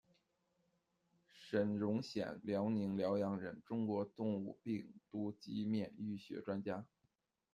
沈荣显，辽宁辽阳人，中国动物病毒及免疫学专家。